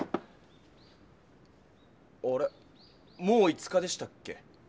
もう５日でしたっけ？